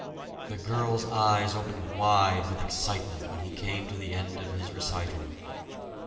The girl's eyes opened wide with excitement when he came to the end of his recital.